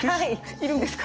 要るんですか？